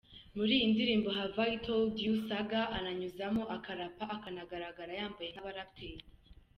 Muri iyi ndirimbo “Have I Told You” Saga ananyuzamo akarapa, akanagaragara yambaye nk’abaraperi.